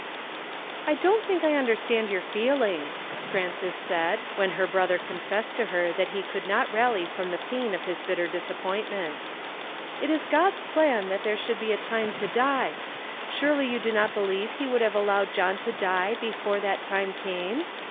I DON'T think I iindoi stand your feeling," Frances said, w'aan her hrotlicr e<infessed to her that he could not rally from the pain of his bitter disappointment. " It is God's plan that there shall be a time to die. Surely you do not believe he would have allowed John to die before that time came